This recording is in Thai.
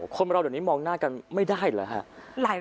คนเราเดี๋ยวนี้มองหน้ากันไม่ได้เหรอฮะ